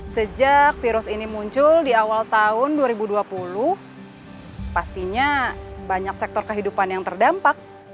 sejak virus ini muncul di awal tahun dua ribu dua puluh pastinya banyak sektor kehidupan yang terdampak